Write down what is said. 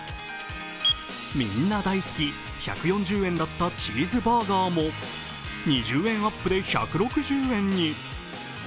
みんな大好き１４０円だったチーズバーガーも２０円アップで１６０円に。